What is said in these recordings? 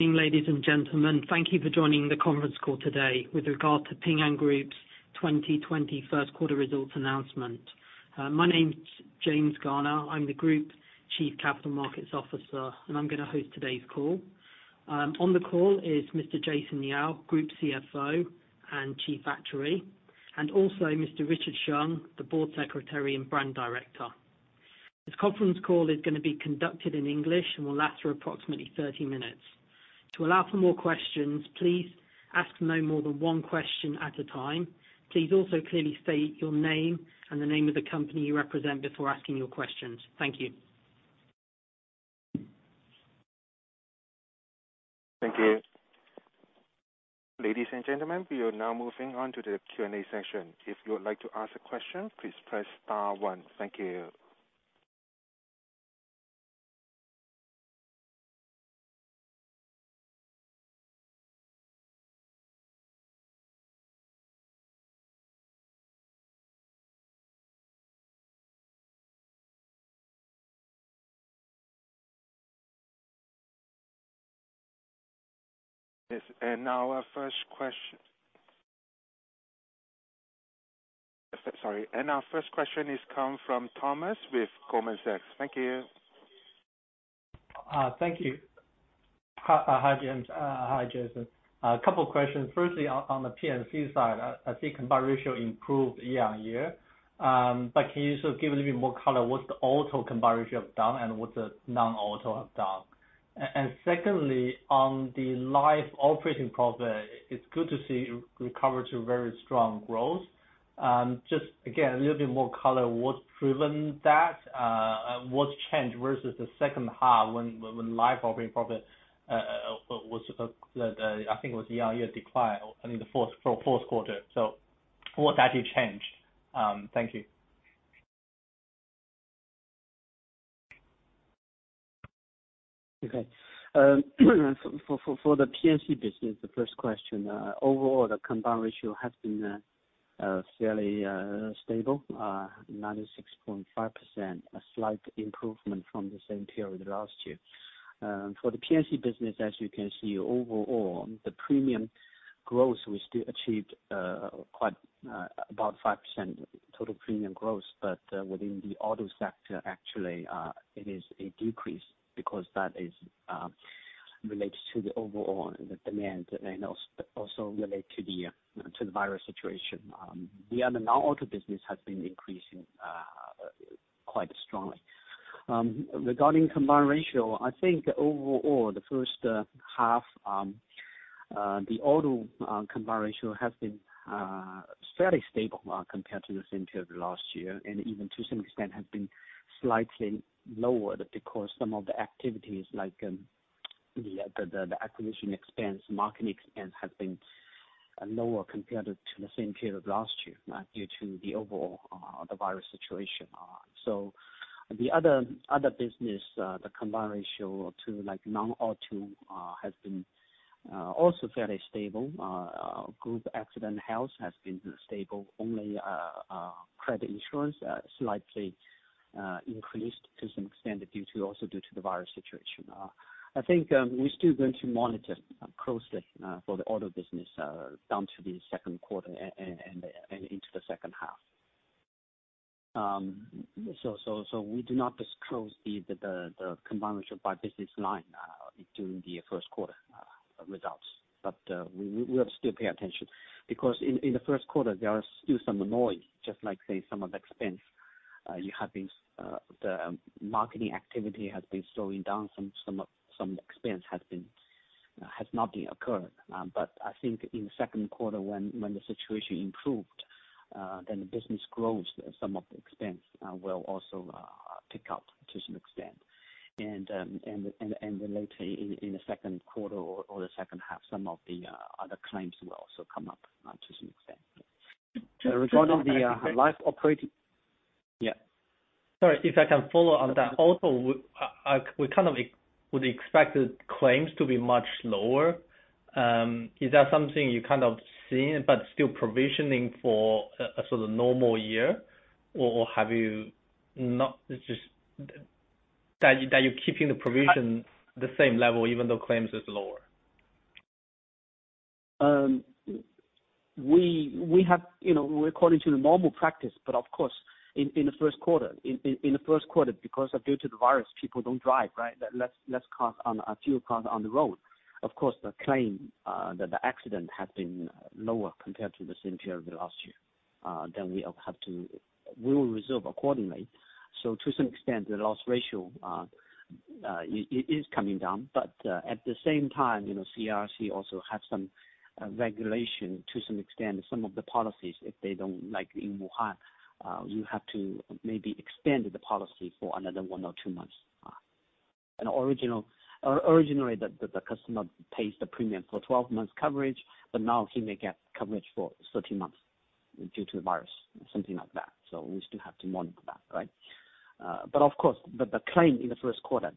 Ladies and gentlemen, thank you for joining the conference call today with regard to Ping An Group's 2021 first quarter results announcement. My name's James Garner. I'm the Group Chief Capital Markets Officer, and I'm gonna host today's call. On the call is Mr. Jason Yao, Group CFO and Chief Actuary, and also Mr. Richard Sheng, the Board Secretary and Brand Director. This conference call is gonna be conducted in English and will last for approximately 30 minutes. To allow for more questions, please ask no more than one question at a time. Please also clearly state your name and the name of the company you represent before asking your questions. Thank you. Thank you. Ladies and gentlemen, we are now moving on to the Q&A section. If you would like to ask a question, please press star one. Thank you. Yes, and now our first question—sorry, and our first question comes from Thomas with Goldman Sachs. Thank you. Thank you. Hi, hi, James. Hi, Jason. A couple questions. Firstly, on the P&C side, I see combined ratio improved year-on-year. But can you sort of give a little bit more color? What's the auto combined ratio have done, and what's the non-auto have done? And secondly, on the life operating profit, it's good to see recovery to very strong growth. Just again, a little bit more color, what's driven that? What's changed versus the second half when life operating profit was the, I think it was year-on-year decline, I mean, the fourth quarter. So what actually changed? Thank you. Okay. For the P&C business, the first question, overall, the combined ratio has been fairly stable, 96.5%, a slight improvement from the same period last year. For the P&C business, as you can see, overall, the premium growth, we still achieved quite about 5% total premium growth. But within the auto sector, actually, it is a decrease because that is related to the overall demand, and also related to the virus situation. The other non-auto business has been increasing quite strongly. Regarding combined ratio, I think overall, the first half, the auto combined ratio has been fairly stable compared to the same period last year, and even to some extent has been slightly lower because some of the activities, like, the acquisition expense, marketing expense, have been lower compared to the same period last year due to the overall virus situation. So the other business, the combined ratio to like non-auto has been also fairly stable. Group accident health has been stable, only credit insurance slightly increased to some extent due to, also due to the virus situation. I think, we're still going to monitor closely for the auto business down to the second quarter and into the second half. So we do not disclose the combined ratio by business line during the first quarter results. But we will still pay attention, because in the first quarter, there are still some noise, just like, say, some of the expense, you have been, the marketing activity has been slowing down. Some expense has not been incurred. But I think in the second quarter, when the situation improved, then the business grows, some of the expense will also pick up to some extent. And later in the second quarter or the second half, some of the other clients will also come up to some extent. Regarding the life operating- Yeah. Sorry, if I can follow on that. Also, we kind of would expect the claims to be much lower. Is that something you kind of seen but still provisioning for a sort of normal year, or have you not just- that you're keeping the provision the same level, even though claims is lower? We have, you know, according to the normal practice, but of course, in the first quarter, due to the virus, people don't drive, right? Less cars on the road. A few cars on the road. Of course, the claim that the accident has been lower compared to the same period last year, then we have to- we will reserve accordingly. So to some extent, the loss ratio is coming down. But at the same time, you know, CIRC also has some regulation to some extent. Some of the policies, if they don't, like in Wuhan, you have to maybe extend the policy for another one or two months. Originally, the customer pays the premium for 12 months coverage, but now he may get coverage for 13 months due to the virus, something like that. So we still have to monitor that, right? But of course, the claim in the first quarter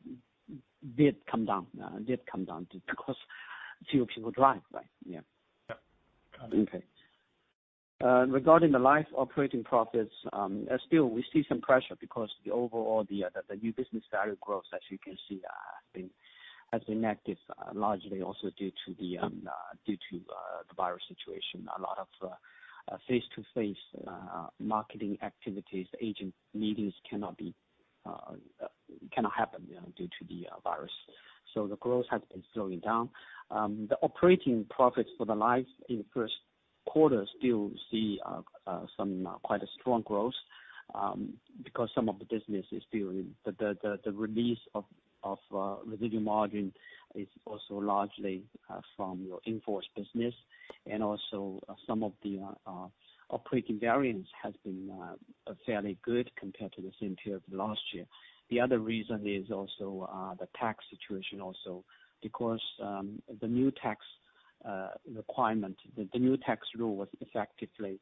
did come down because fewer people drive, right? Yeah. Yeah. Got it. Okay, regarding the life operating profits, still we see some pressure because the overall the new business value growth, as you can see, has been active largely also due to the virus situation. A lot of face-to-face marketing activities, agent meetings cannot happen, you know, due to the virus. So the growth has been slowing down. The operating profits for the life in the first quarter still see some quite a strong growth because some of the business is still in the release of residual margin is also largely from your in-force business, and also some of the operating variance has been fairly good compared to the same period last year. The other reason is also, the tax situation also, because, the new tax, requirement, the new tax rule was effectively,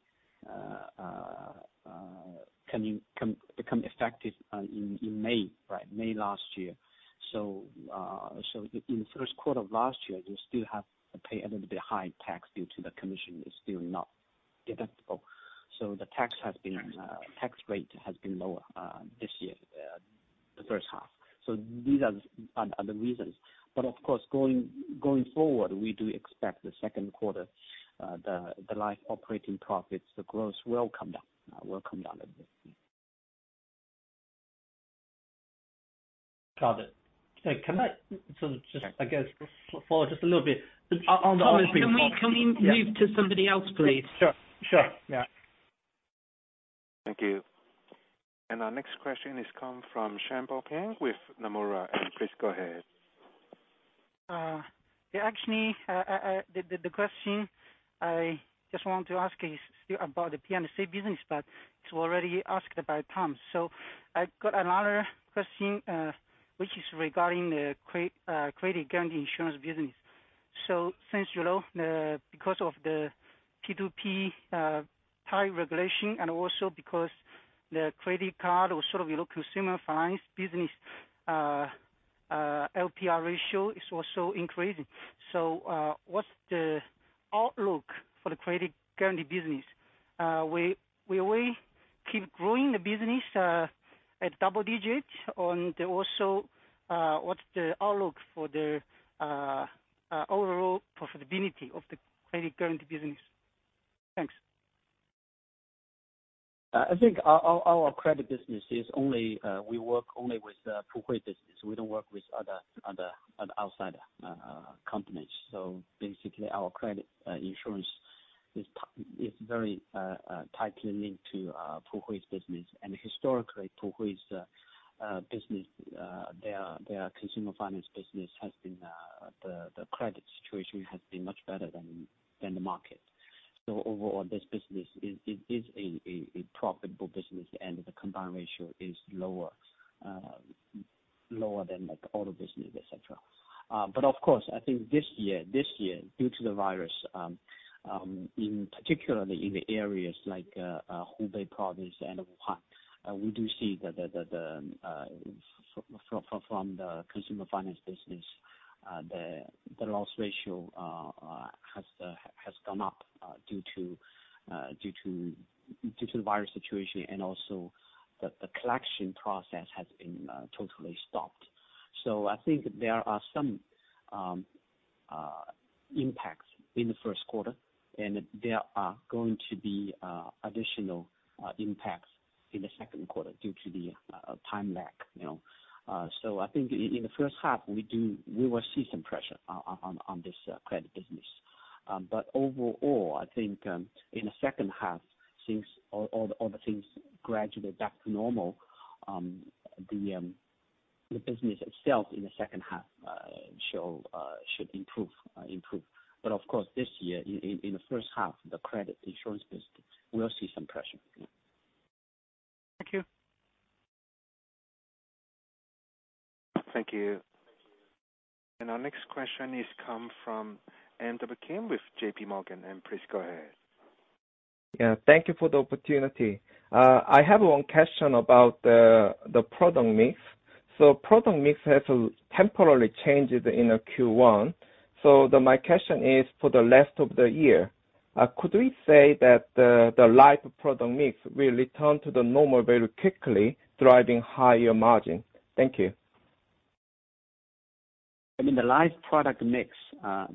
become effective, in May, right? May last year. So, in the first quarter of last year, you still have to pay a little bit high tax due to the commission is still not deductible. So the tax has been, tax rate has been lower, this year, the first half. So these are the reasons. But of course, going forward, we do expect the second quarter, the life operating profits, the growth will come down, will come down a bit. Got it. Can I sort of just, I guess, follow just a little bit on? Can we, can we move to somebody else, please? Sure. Sure, yeah. Thank you. Our next question is come from Shengbo Tang with Nomura. Please go ahead. Actually, the question I just want to ask is still about the P&C business, but it's already asked by Tom. So I've got another question, which is regarding the credit guarantee insurance business. So since, you know, because of the P2P tight regulation, and also because the credit card or sort of, you know, consumer finance business, LPR rate is also increasing. So, what's the outlook for the credit guarantee business? Will we keep growing the business at double digits? Also, what's the outlook for the overall profitability of the credit guarantee business? Thanks. I think our credit business is only, we work only with in-house business. We don't work with other outside companies. So basically, our credit insurance is very tightly linked to in-house business. And historically, in-house business, their consumer finance business has been, the credit situation has been much better than the market. So overall, this business is, it is a profitable business, and the combined ratio is lower than the other business, et cetera. But of course, I think this year, this year, due to the virus, particularly in the areas like Hubei province and Wuhan, we do see that from the consumer finance business, the loss ratio has gone up due to the virus situation and also the collection process has been totally stopped. So I think there are some impacts in the first quarter, and there are going to be additional impacts in the second quarter due to the time lag, you know. So I think in the first half, we will see some pressure on this credit business. But overall, I think in the second half, since all the other things gradually go back to normal, the business itself in the second half should improve. But of course, this year, in the first half, the credit insurance business will see some pressure. Thank you. Thank you. Our next question comes from Andrew Kim with JPMorgan. Please go ahead. Yeah, thank you for the opportunity. I have one question about the product mix. So the product mix has temporarily changed in Q1. My question is for the rest of the year, could we say that the life product mix will return to the normal very quickly, driving higher margin? Thank you. I mean, the life product mix, they were-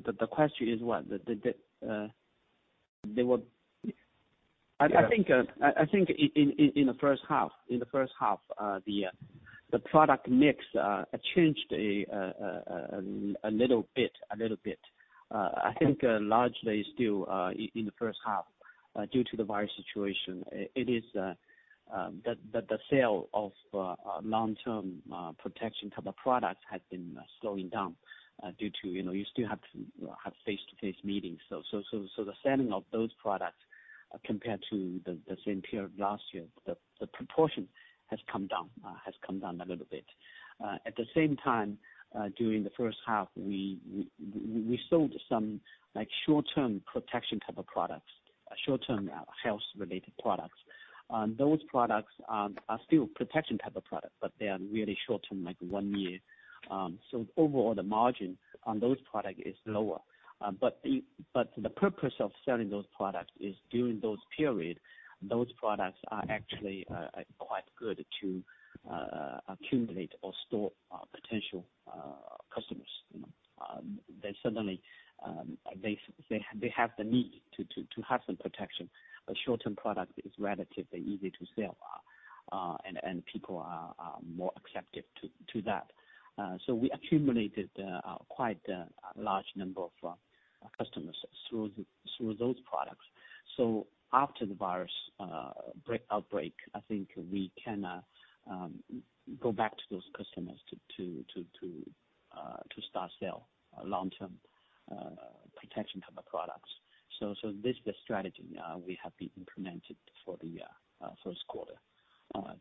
Yeah. -I think in the first half the product mix changed a little bit. I think largely still in the first half due to the virus situation it is the sale of long-term protection type of products has been slowing down due to you know you still have to have face-to-face meetings. So the selling of those products compared to the same period last year the proportion has come down a little bit. At the same time during the first half we sold some like short-term protection type of products short-term health-related products. Those products are still protection type of product, but they are really short term, like one year. So overall, the margin on those product is lower. But the purpose of selling those products is during those period, those products are actually quite good to accumulate or store potential customers. They suddenly have the need to have some protection. A short-term product is relatively easy to sell, and people are more accepted to that. So we accumulated quite a large number of customers through those products. So after the virus outbreak, I think we can go back to those customers to start sell a long-term protection type of products. So, this is the strategy we have been implemented for the first quarter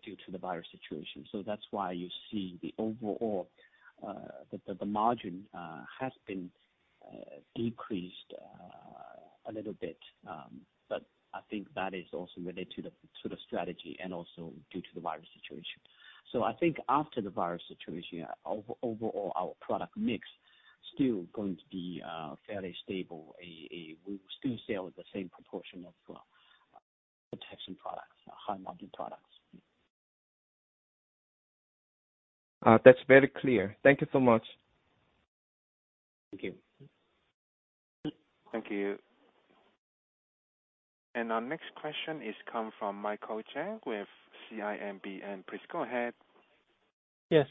due to the virus situation. So that's why you see the overall margin has been decreased a little bit. But I think that is also related to the strategy and also due to the virus situation. So I think after the virus situation, overall, our product mix still going to be fairly stable. We will still sell the same proportion of protection products, high-margin products. That's very clear. Thank you so much. Thank you. Thank you. Our next question comes from Michael Chang CIMB. Please go ahead. Yes,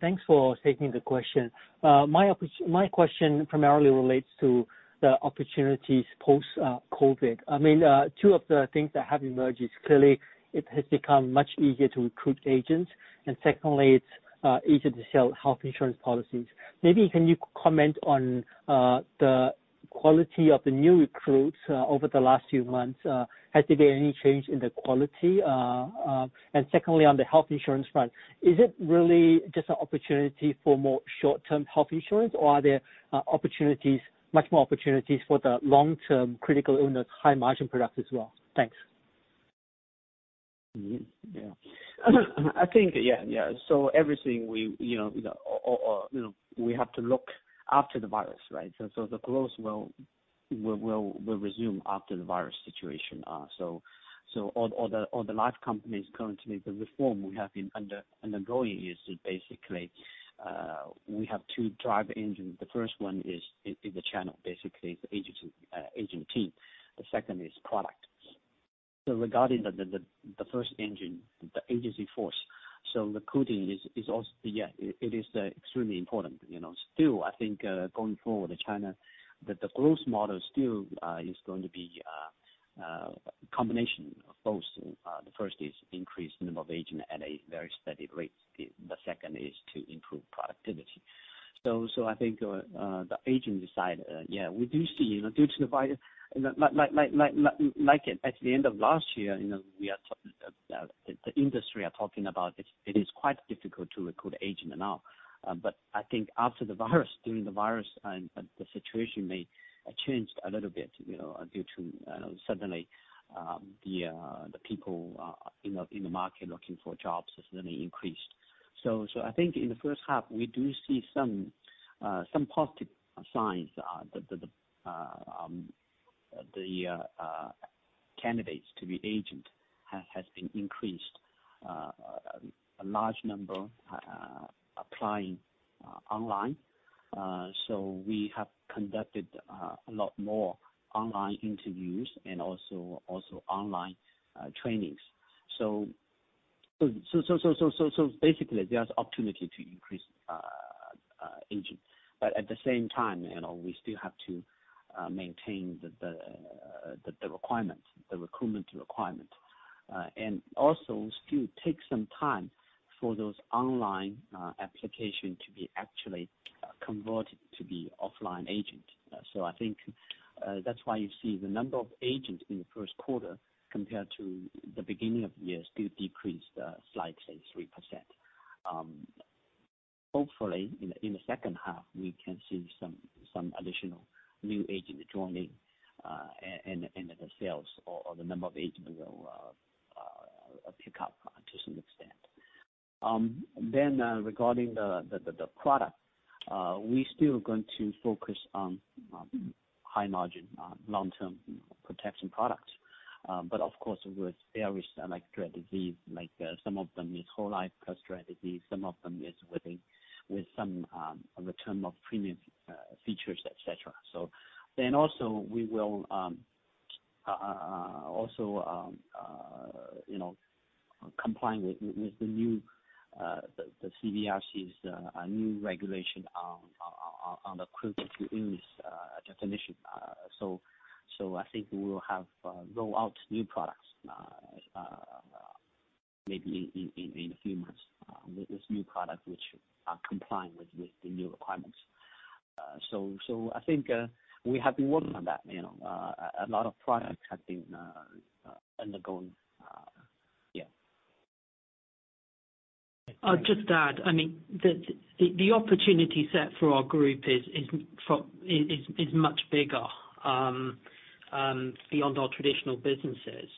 thanks for taking the question. My question primarily relates to the opportunities post-COVID. I mean, two of the things that have emerged is clearly it has become much easier to recruit agents, and secondly, it's easier to sell health insurance policies. Maybe can you comment on the quality of the new recruits over the last few months? Has there been any change in the quality? And secondly, on the health insurance front, is it really just an opportunity for more short-term health insurance, or are there opportunities, much more opportunities for the long-term critical illness, high-margin products as well? Thanks. Yeah. I think, yeah, yeah. So everything we, you know, you know, we have to look after the virus, right? So the growth will resume after the virus situation. So all the life companies currently, the reform we have been undergoing is basically, we have two driver engine. The first one is the channel, basically the agency, agent team. The second is product. So regarding the first engine, the agency force, so recruiting is also, yeah, it is, extremely important. You know, still, I think, going forward with China, that the growth model still, is going to be, combination of both. The first is increase the number of agent at a very steady rate. The second is to improve productivity. So I think the agent side, yeah, we do see, you know, due to the virus, like at the end of last year, you know, the industry are talking about it, it is quite difficult to recruit agent now. But I think after the virus, during the virus, and the situation may have changed a little bit, you know, due to suddenly the people in the market looking for jobs has really increased. So I think in the first half, we do see some positive signs that the candidates to be agent has been increased, a large number applying online. So we have conducted a lot more online interviews and also online trainings. So basically, there's opportunity to increase agent. But at the same time, you know, we still have to maintain the requirements, the recruitment requirements. And also still take some time for those online application to be actually converted to be offline agent. So I think that's why you see the number of agents in the first quarter compared to the beginning of the year, still decreased slightly 3%. Hopefully, in the second half, we can see some additional new agent joining, and the sales or the number of agents will pick up to some extent. Then regarding the product, we still going to focus on high margin long-term protection products. But of course, with various, like rare disease, like, some of them is whole life plus rare disease, some of them is with a, with some, return of premium, features, et cetera. So then also we will also, you know, comply with with the new the CBRC's new regulation on on the critical illness definition. So I think we will have roll out new products maybe in a few months with this new product, which are compliant with the new requirements. So I think we have been working on that, you know, a lot of products have been undergoing yeah. I'll just add, I mean, the opportunity set for our group is much bigger beyond our traditional businesses.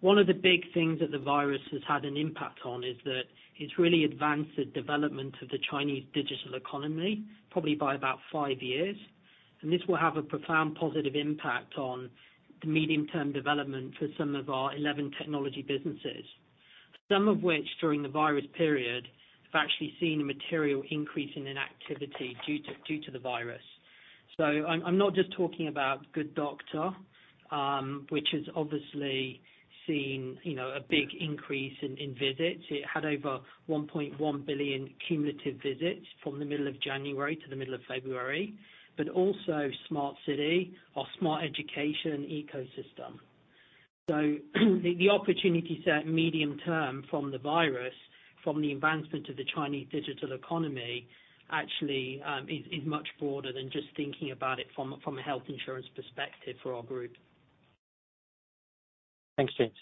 One of the big things that the virus has had an impact on is that it's really advanced the development of the Chinese digital economy, probably by about 5 years. And this will have a profound positive impact on the medium-term development for some of our 11 technology businesses. Some of which during the virus period have actually seen a material increase in activity due to the virus. So I'm not just talking about Good Doctor, which has obviously seen, you know, a big increase in visits. It had over 1.1 billion cumulative visits from the middle of January to the middle of February, but also Smart City or Smart Education Ecosystem. The opportunity set medium term from the virus, from the advancement of the Chinese digital economy, actually, is much broader than just thinking about it from a health insurance perspective for our group. Thanks, James.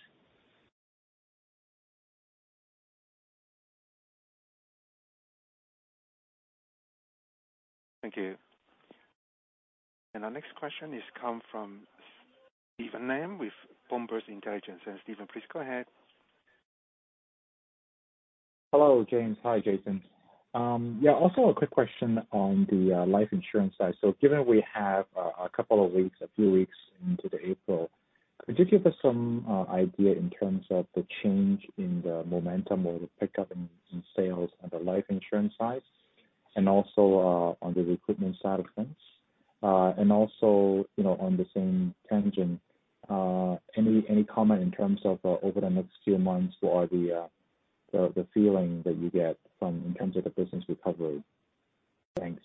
Thank you. Our next question is come from Steven Lam, with Bloomberg Intelligence. Steven, please go ahead. Hello, James. Hi, Jason. Yeah, also a quick question on the life insurance side. So given we have a couple of weeks, a few weeks into April, could you give us some idea in terms of the change in the momentum or the pickup in sales on the life insurance side? And also on the recruitment side of things. And also, you know, on the same tangent, any comment in terms of over the next few months, what are the feeling that you get from in terms of the business recovery? Thanks.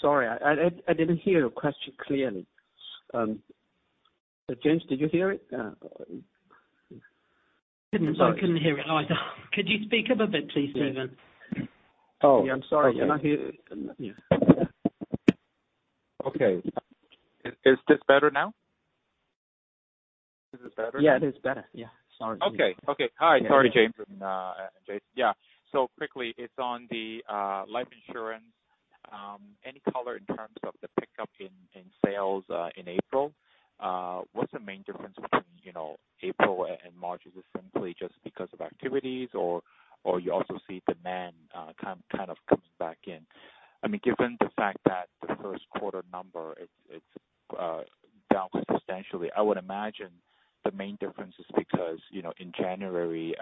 Sorry, I didn't hear your question clearly. James, did you hear it? I didn't. I couldn't hear it either. Could you speak up a bit please, Steven? Oh, yeah, I'm sorry. Yeah. Okay. Is this better now? Is it better? Yeah, it is better. Yeah. Sorry. Okay. Okay. Hi, sorry, James and, Jason. Yeah. So quickly, it's on the life insurance. Any color in terms of the pickup in sales in April? What's the main difference between, you know, April and March? Is it simply just because of activities or you also see demand come, kind of comes back in? I mean, given the fact that the first quarter number, it's down substantially, I would imagine the main difference is because, you know, in January,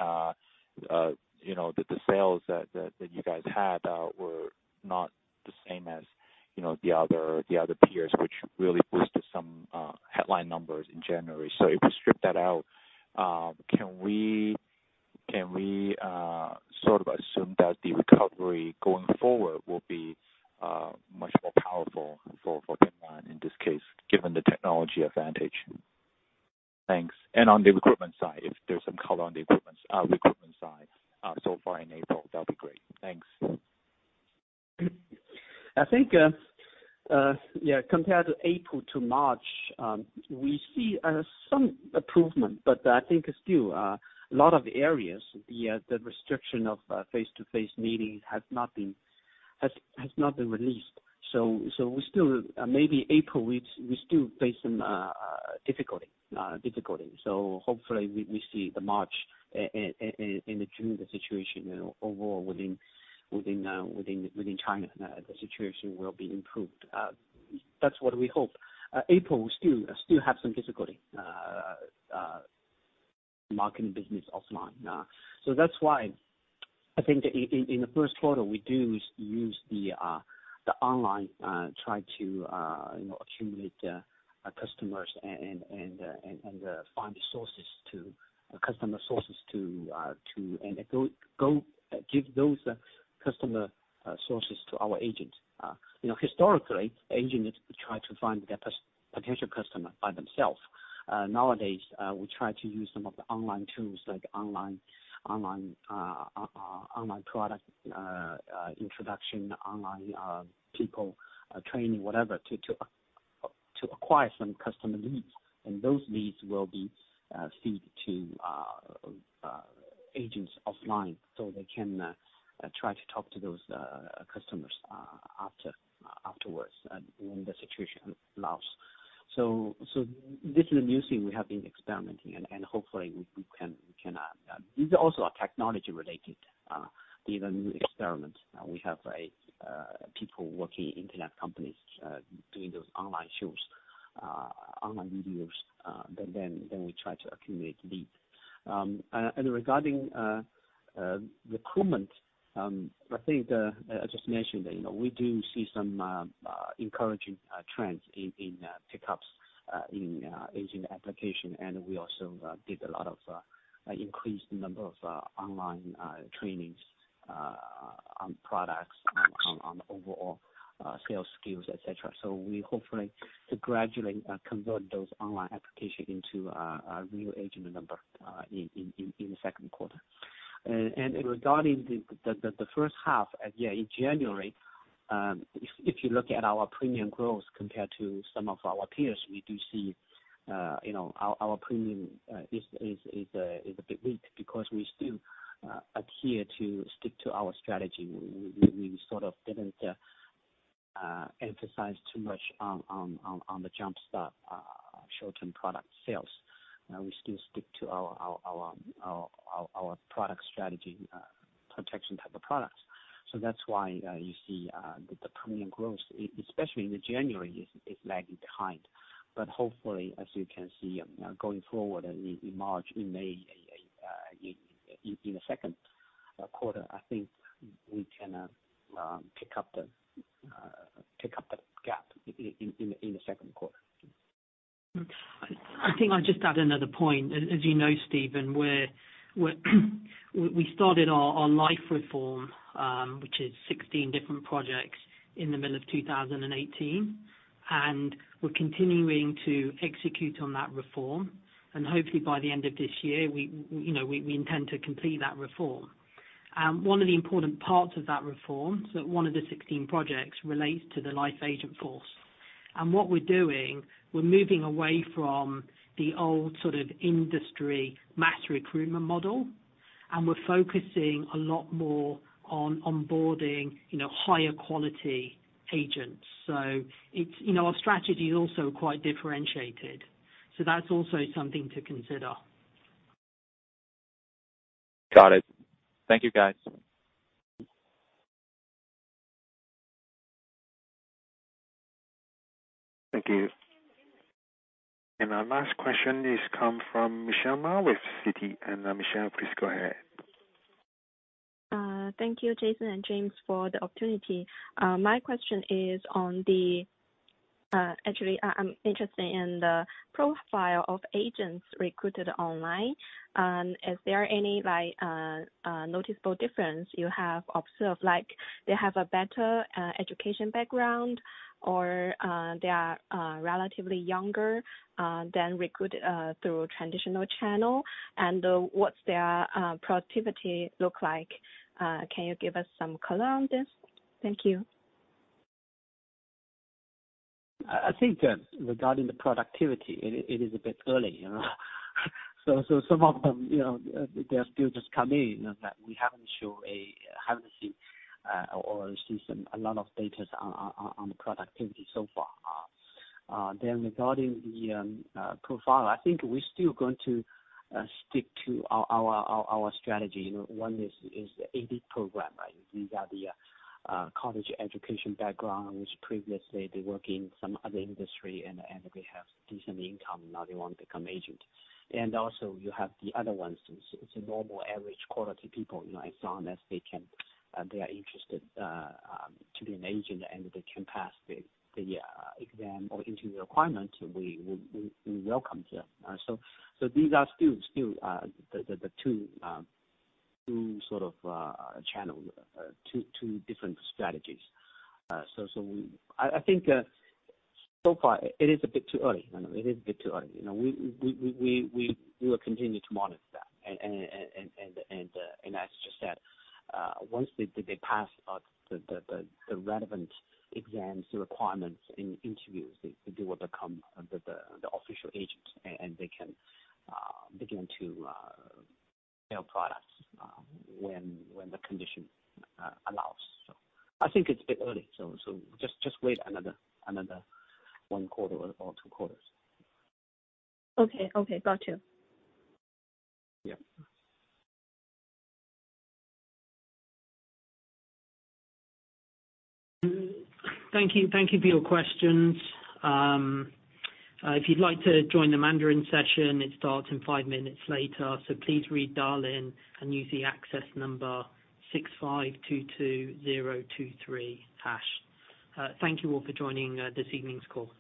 you know, the sales that you guys had were not the same as, you know, the other peers, which really boosted some headline numbers in January. If we strip that out, can we sort of assume that the recovery going forward will be much more powerful for Ping An in this case, given the technology advantage? Thanks. On the recruitment side, if there's some color on the recruitment side so far in April, that'd be great. Thanks. I think, yeah, compared to April to March, we see some improvement, but I think still a lot of areas, the restriction of face-to-face meetings has not been released. So we still maybe April, we still face some difficulty. So hopefully we see the March and the June situation, you know, overall within China, the situation will be improved. That's what we hope. April, we still have some difficulty marketing business online. So that's why I think in the first quarter, we do use the online try to, you know, accumulate our customers and find the sources to- customer sources to and go give those customer sources to our agents. You know, historically, agents try to find their potential customer by themselves. Nowadays, we try to use some of the online tools, like online product introduction, online people training, whatever, to acquire some customer leads, and those leads will be fed to agents offline, so they can try to talk to those customers afterwards, when the situation allows. So this is a new thing we have been experimenting and hopefully we can. This is also a technology-related even new experiment. We have people working in internet companies, doing those online shows, online videos, then we try to accumulate leads. And regarding recruitment, I think, as just mentioned, you know, we do see some encouraging trends in pickups in agent application, and we also did a lot of increased number of online trainings on products, on the overall sales skills, et cetera. So we hopefully to gradually convert those online application into a real agent number in the second quarter. Regarding the first half, yeah, in January, if you look at our premium growth compared to some of our peers, we do see, you know, our premium is a bit weak because we still adhere to stick to our strategy. We sort of didn't emphasize too much on the jumpstart short-term product sales. We still stick to our product strategy, protection type of products. So that's why, you see, the premium growth, especially in January, is lagging behind. But hopefully, as you can see, going forward in March, in May, in the second quarter, I think we can pick up the gap in the second quarter. I think I'll just add another point. As you know, Steven, we started our life reform, which is 16 different projects in the middle of 2018. We're continuing to execute on that reform, and hopefully by the end of this year, you know, we intend to complete that reform. One of the important parts of that reform, one of the 16 projects relates to the life agent force. What we're doing, we're moving away from the old sort of industry mass recruitment model, and we're focusing a lot more on onboarding, you know, higher quality agents. So it's our strategy is also quite differentiated, so that's also something to consider. Got it. Thank you, guys. Thank you. And our last question is come from Michelle Ma with Citi. And, Michelle, please go ahead. Thank you, Jason and James, for the opportunity. My question is on the... Actually, I'm interested in the profile of agents recruited online. Is there any, like, noticeable difference you have observed? Like, they have a better education background, or, they are relatively younger than recruited through traditional channel? What's their productivity look like? Can you give us some color on this? Thank you. I think regarding the productivity, it is a bit early, you know? So some of them, you know, they're still just come in, and we haven't show a, haven't seen or seen some a lot of data on the productivity so far. Then regarding the profile, I think we're still going to stick to our strategy. You know, one is the AD Program, right? These are the college education background, which previously they work in some other industry and they have decent income, now they want to become agent. And also, you have the other ones. It's a normal average quality people, you know, as long as they can, they are interested to be an agent and they can pass the exam or interview requirements, we welcome them. So these are still the two sort of channels, two different strategies. So we- I think so far it is a bit too early. I know it is a bit too early. You know, we will continue to monitor that. As you just said, once they pass the relevant exams requirements in interviews, they will become the official agent, and they can begin to sell products when the condition allows. So I think it's a bit early, so just wait another one quarter or two quarters. Okay. Okay, got you. Yeah. Thank you. Thank you for your questions. If you'd like to join the Mandarin session, it starts in five minutes later. So please redial in and use the access number 6522023#. Thank you all for joining, this evening's call.